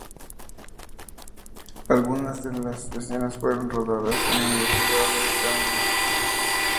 Algunas de las escenas fueron rodadas en la universidad de Cambridge.